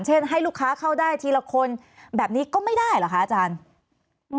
ให้ลูกค้าเข้าได้ทีละคนแบบนี้ก็ไม่ได้เหรอคะอาจารย์